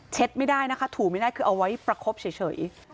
ไม่ได้นะคะถูไม่ได้คือเอาไว้ประคบเฉย